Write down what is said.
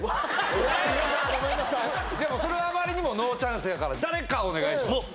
それはあまりにもノーチャンスやから誰かお願いします！